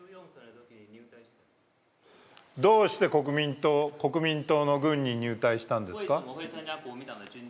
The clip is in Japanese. どうして国民党の軍に入隊したんですか？